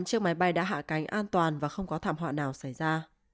chiếc máy bay đã hạ cánh an toàn và không có thảm họa nào xảy ra